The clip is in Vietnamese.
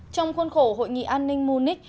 trong khuôn khổ hội nghị an ninh munich